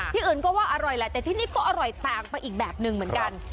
ที่อื่นก็ว่าอร่อยแหละแต่ที่นี่ก็อร่อยต่างไปอีกแบบหนึ่งเหมือนกัน